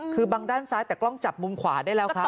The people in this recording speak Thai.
คือบังด้านซ้ายแต่กล้องจับมุมขวาได้แล้วครับ